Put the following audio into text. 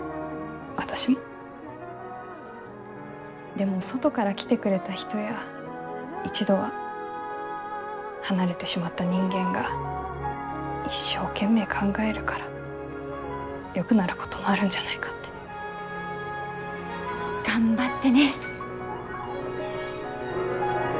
でも外から来てくれた人や一度は離れてしまった人間が一生懸命考えるからよくなることもあるんじゃないかって。頑張ってね。